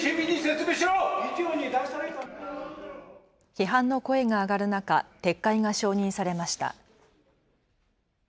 批判の声が上がる中、撤回が承認されました。